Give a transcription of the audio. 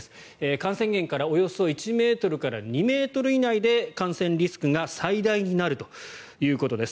感染源からおよそ１ｍから２ｍ以内で感染リスクが最大になるということです。